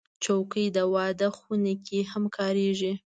چوکۍ د واده خونه کې هم کارېږي.